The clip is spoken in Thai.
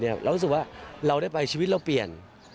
เรารู้สึกว่าเราได้ไปชีวิตเราเปลี่ยน